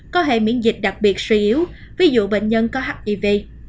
có hệ miễn dịch đặc biệt suy yếu ví dụ bệnh nhân có hiv